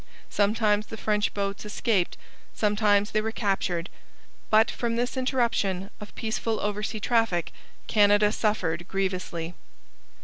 Sometimes the French boats escaped; sometimes they were captured; but from this interruption of peaceful oversea traffic Canada suffered grievously.